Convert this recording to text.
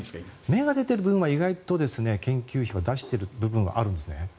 芽が出ている部分は意外と研究費を出している部分はあるんですね。